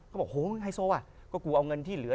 บอกโหมึงไฮโซอ่ะก็กูเอาเงินที่เหลือ